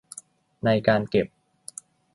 ในการเก็บ